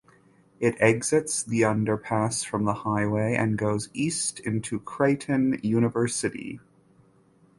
It exits the underpass from the highway and goes east into Creighton University.